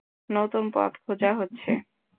নতুন পথ খোঁজা হচ্ছে।